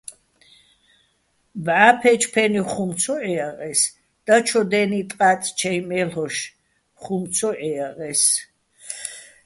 ბჵა ფე́ჩფე́ნიხ ხუმ ცო ჺეჲაღე́ს, დაჩო დე́ნი ტყაწ ჩაჲ მე́ლ'ოშ ხუმ ცო ჺეჲაღე́ს.